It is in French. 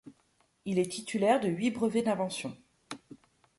Il est titulaire de huit brevets d'invention.